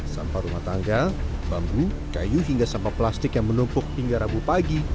sampah rumah tangga bambu kayu hingga sampah plastik yang menumpuk hingga rabu pagi